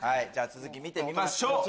続き見てみましょう。